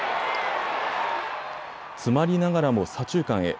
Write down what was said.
詰まりながらも左中間へ。